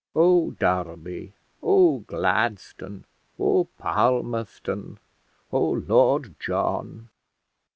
Oh, Derby! Oh, Gladstone! Oh, Palmerston! Oh, Lord John!